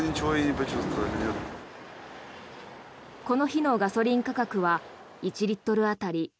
この日のガソリン価格は１リットル当たり